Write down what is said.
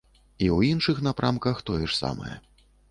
І ў іншых напрамках тое ж самае.